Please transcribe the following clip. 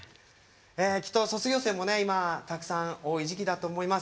きっと卒業生も今、たくさん多い時期だと思います。